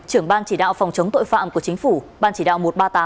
trưởng ban chỉ đạo phòng chống tội phạm của chính phủ ban chỉ đạo một trăm ba mươi tám